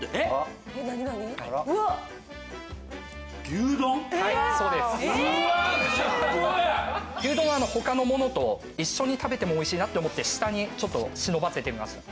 牛丼は他のものと一緒に食べても美味しいなって思って下にちょっと忍ばせてみました。